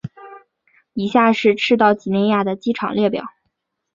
以下是赤道畿内亚的机场列表。